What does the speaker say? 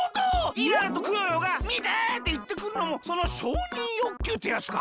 イララとクヨヨが「みて！」っていってくるのもその承認欲求ってやつか。